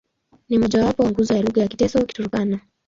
Ni mmojawapo wa nguzo ya lugha za Kiteso-Kiturkana.